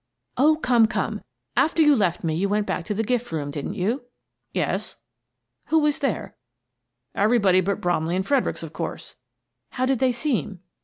" Oh, come, come! After you left me, you went back to the gift room, didn't you?" " Yes." "Who was there?" "Everybody but Bromley and Fredericks, of course." "How did they seem?"